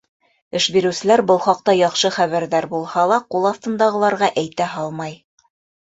Эш биреүселәр был хаҡта яҡшы хәбәрҙар булһа ла, ҡул аҫтындағыларға әйтә һалмай.